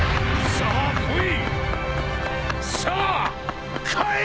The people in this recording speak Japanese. さあ来い！！